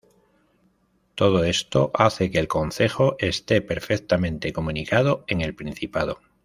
Todo esto hace que el concejo este perfectamente comunicado en el Principado.